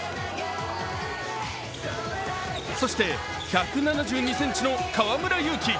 そして１７２ｃｍの河村勇輝。